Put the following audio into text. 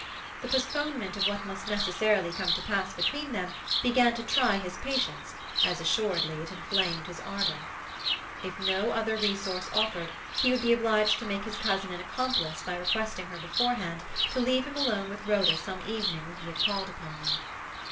The postponement of what must necessarily come to pass between them began to try his patience, as assuredly it inflamed his ardour. If no other resource offered, he would be obliged to make his cousin an accomplice by requesting her beforehand to leave him alone with Rhoda some evening when he had called upon them.